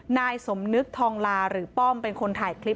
นายสมนึกทองลาหรือป้อมเป็นคนถ่ายคลิป